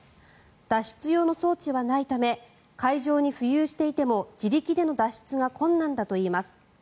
脱出用の装置はないため海上に浮遊していても自力での脱出が困難だといいます。